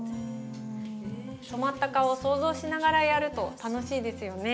染まった顔を想像しながらやると楽しいですよね。